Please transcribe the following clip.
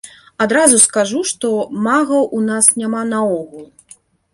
Адразу скажу, што магаў у нас няма наогул.